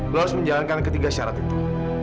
gue harus menjalankan ketiga syarat itu